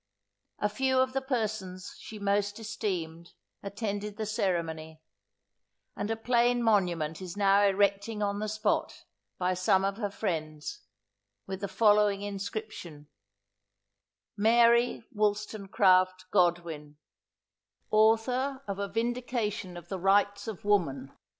A few of the persons she most esteemed, attended the ceremony; and a plain monument is now erecting on the spot, by some of her friends, with the following inscription: ++| MARY WOLLSTONECRAFT GODWIN, || AUTHOR OF || A VINDICATION || OF THE RIGHTS OF WOMAN.